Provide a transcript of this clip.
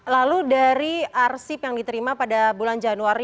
lalu dari arsip yang diterima pada bulan januari dua ribu dua puluh dua